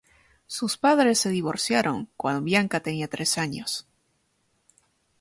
Sus padres se divorciaron cuando Bianca tenía tres años.